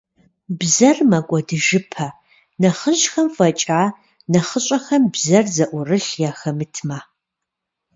Бзэр мэкӀуэдыжыпэ, нэхъыжьхэм фӀэкӀа, нэхъыщӀэхэм бзэр зыӀурылъ яхэмытмэ.